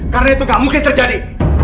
karena itu gak mungkin terjadi